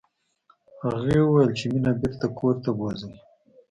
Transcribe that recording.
هغې وویل چې مينه بېرته کور ته بوزئ